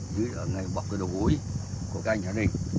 chứ ở ngay bọc cái đôi gối của các anh ở đây